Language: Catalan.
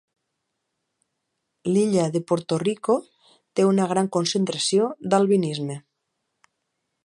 L'illa de Porto Rico té una gran concentració d'albinisme.